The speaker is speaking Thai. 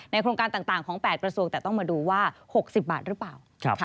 โครงการต่างของ๘กระทรวงแต่ต้องมาดูว่า๖๐บาทหรือเปล่า